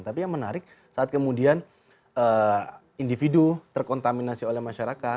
tapi yang menarik saat kemudian individu terkontaminasi oleh masyarakat